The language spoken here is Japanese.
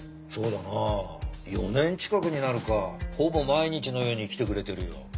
そうだな４年近くになるかほぼ毎日のように来てくれてるよ